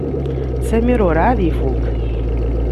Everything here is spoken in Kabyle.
Samir werɛad ifuk.